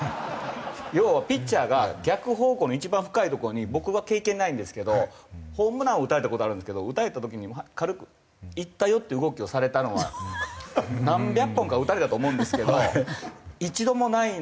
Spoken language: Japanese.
要はピッチャーが逆方向の一番深いところに僕は経験ないんですけどホームランを打たれた事はあるんですけど打たれた時に軽く「いったよ」って動きをされたのは何百本か打たれたと思うんですけど一度もないのに。